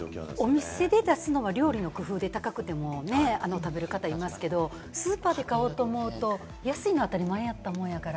お店で出すのは料理の工夫で食べる方いますけど、スーパーで買おうと思うと安いのが当たり前だっと思うから。